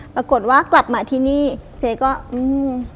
ปรากฏว่ากลับมาที่นี่เจ๊ก็อืม